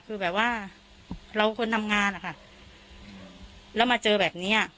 คือแบบว่าเราคนทำงานอะค่ะแล้วมาเจอแบบเนี้ย